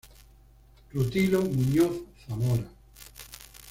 Rutilo Muñoz Zamora.